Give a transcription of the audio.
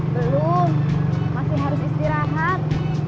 belum masih harus istirahat